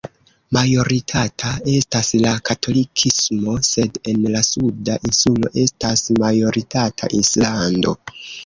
Majoritata estas la katolikismo, sed en la suda insulo estas majoritata Islamo.